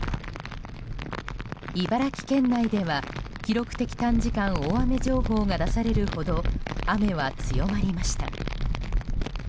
茨城県内では記録的短時間大雨情報が出されるほど雨は強まりました。